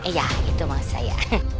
iya itu mah saya